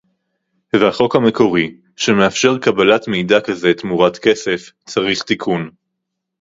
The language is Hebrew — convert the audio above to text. והחוק המקורי - שמאפשר קבלת מידע כזה תמורת כסף - צריך תיקון